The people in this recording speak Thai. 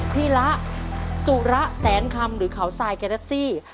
พี่ละสุระแสนคำหรือเขาทรายแกแท็กซี่